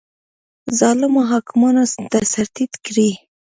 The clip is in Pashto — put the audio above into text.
ظالمو حاکمانو ته سر ټیټ کړي